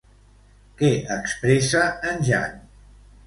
Què expressa en Jan?